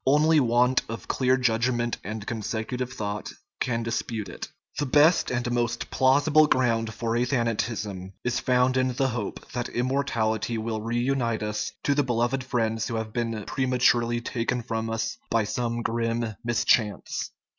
Only want of clear judg ment and consecutive thought can dispute it. The best and most plausible ground for athanatism is found in the hope that immortality will reunite us to the beloved friends who have been prematurely taken from us by some grim mischance.